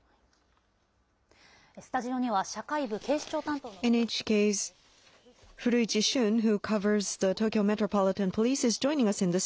スタジオには社会部警視庁担当の古市記者です。